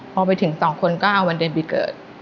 พอไปถึงสองคนก็เอาวันเดือนปีเกิด